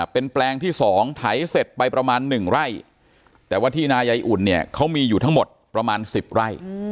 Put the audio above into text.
เป็นแปลงที่๒ไถเสร็จไปประมาณ๑ไร่แต่ว่าที่นายายอุ่นเนี่ยเขามีอยู่ทั้งหมดประมาณ๑๐ไร่